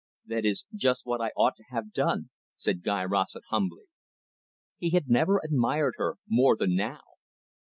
"That is just what I ought to have done," said Guy Rossett humbly. He had never admired her more than now.